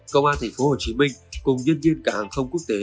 công an tp hcm cùng nhân viên cả hàng không quốc tế